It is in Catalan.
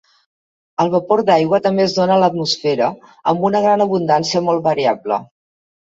El vapor d'aigua també es dona a l'atmosfera amb una gran abundància molt variable.